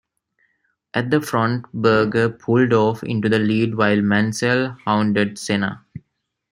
At the front Berger pulled off into the lead while Mansell hounded Senna.